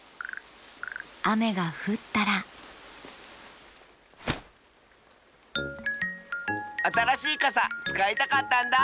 あめがふったらあたらしいかさつかいたかったんだ！